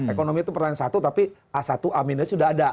ekonomi itu pertanyaan satu tapi a satu a minus sudah ada